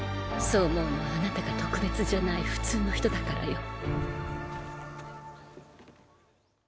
そう思うのはあなたが特別じゃない普通の人だからよ。